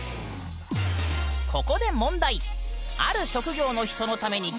ここで問題！